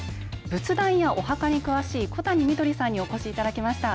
仏壇やお墓に詳しい小谷みどりさんにお越しいただきました。